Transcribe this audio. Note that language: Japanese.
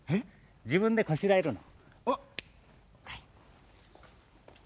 じぶんでこしらえるの。